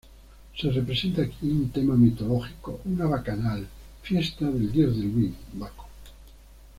Se representa aquí un tema mitológico, una bacanal, fiesta del dios del vino, Baco.